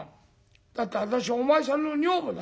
「だって私お前さんの女房だよ。